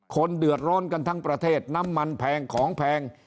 คนเดือดร้อนกันทั้งประเทศน้ำมันแพงของแพง